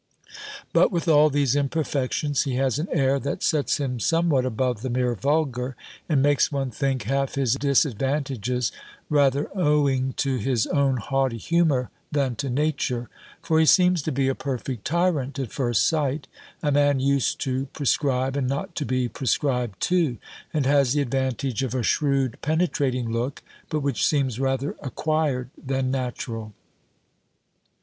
But with all these imperfections, he has an air that sets him somewhat above the mere vulgar, and makes one think half his disadvantages rather owing to his own haughty humour, than to nature; for he seems to be a perfect tyrant at first sight, a man used to prescribe, and not to be prescribed to; and has the advantage of a shrewd penetrating look, but which seems rather acquired than natural.